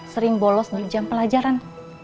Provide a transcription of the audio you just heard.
sering bolos dari jam pelajaran